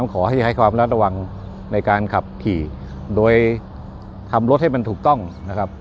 ขอให้ความรักระวังในการขับขี่โดยทำรถให้มันถูกต้องนะครับ